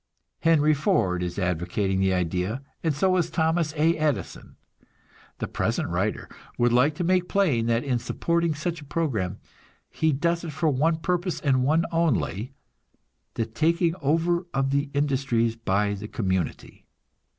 Henry Ford is advocating the idea, and so is Thomas A. Edison. The present writer would like to make plain that in supporting such a program, he does it for one purpose, and one only the taking over of the industries by the community.